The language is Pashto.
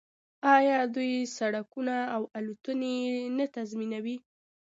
آیا دوی سړکونه او الوتنې نه تنظیموي؟